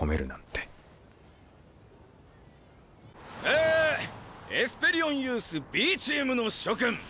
えエスペリオンユースＢチームの諸君！